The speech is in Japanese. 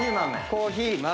コーヒー豆。